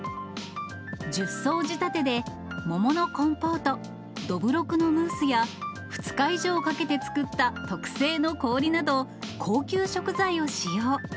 １０層仕立てで桃のコンポート、どぶろくのムースや、２日以上かけて作った特製の氷など、高級食材を使用。